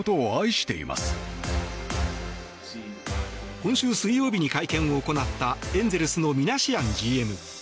今週水曜日に会見を行ったエンゼルスのミナシアンＧＭ。